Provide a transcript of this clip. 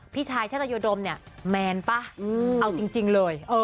พีชายเส้นตะโยดมเนี่ยแม่นปะเอาจริงเลยเออ